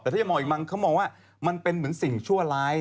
แต่ถ้าจะมองอีกมั้งเขามองว่ามันเป็นเหมือนสิ่งชั่วร้าย